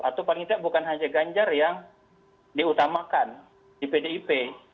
atau paling tidak bukan hanya ganjar yang diutamakan di pdip